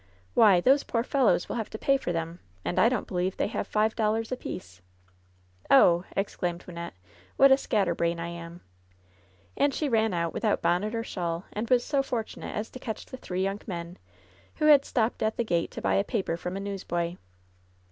"Why, those poor fellows will have to pay for them, and I don't believe they have five dollars apiece." "Oh I" exclaimed Wyimette. ^^What a scatter brain I am!" And she ran out without bonnet or shawl, and was so fortunate as to catch the three young men, who had stopped at the gate to buy a paper from a newsboy.